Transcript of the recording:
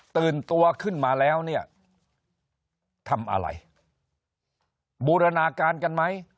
ตื่นตัวขึ้นมาแล้วเนี่ยทำอะไรบูรณาการกันไหม